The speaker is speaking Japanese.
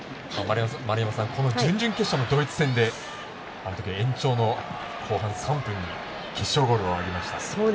丸山さん、準々決勝のドイツ戦であのときは延長の後半３分に決勝ゴールを挙げました。